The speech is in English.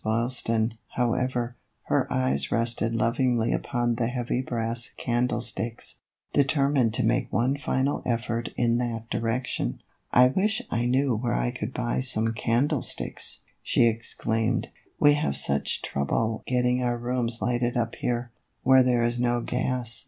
Boylston, however, whose eyes rested lovingly upon the heavy brass candlesticks, determined to make one final effort in that direction. "I wish I knew where I could buy some candle THE EVOLUTION OF A BONNET. 1 1/ sticks," she exclaimed. "We have such trouble getting our rooms lighted up here, where there is no gas.